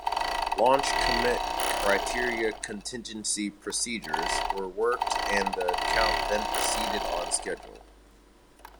Launch Commit Criteria contingency procedures were worked and the count then proceeded on schedule.